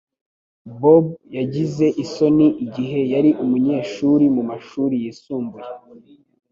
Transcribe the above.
Bob yagize isoni igihe yari umunyeshuri mu mashuri yisumbuye.